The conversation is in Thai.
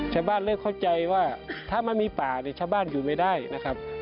ชาวบ้านเริ่มเข้าใจว่าถ้ามันมีป่าเนี่ยชาวบ้านอยู่ไม่ได้นะครับ